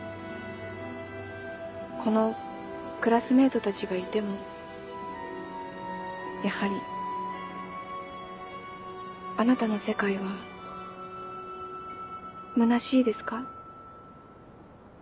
このクラスメートたちがいてもやはりあなたの世界はむなしいですか？